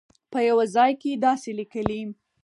په یوه ځای کې داسې لیکي.